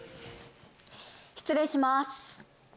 失礼します。